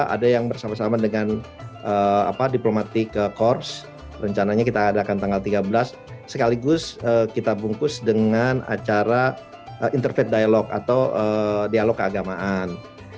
ada yang bersama sama dengan diplomatic course rencananya kita adakan tanggal tiga belas sekaligus kita bungkus dengan acara interfaith dialog atau dialog keagamaan